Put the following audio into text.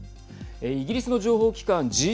イギリスの情報機関